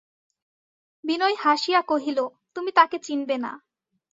বিনয় হাসিয়া কহিল, তুমি তাঁকে চিনবে না।